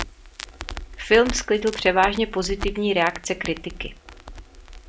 Film sklidil převážně pozitivní reakce kritiky.